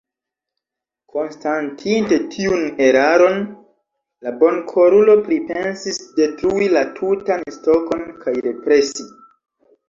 Konstatinte tiun eraron, la bonkorulo pripensis detrui la tutan stokon kaj represi.